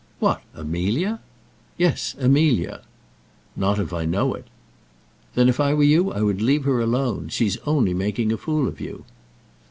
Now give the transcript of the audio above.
"What! Amelia?" "Yes; Amelia." "Not if I know it." "Then if I were you I would leave her alone. She's only making a fool of you."